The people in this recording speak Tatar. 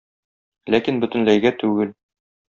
Ләкин бөтенләйгә түгел.